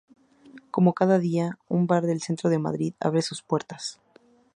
Como cada día, un bar del centro de Madrid abre sus puertas.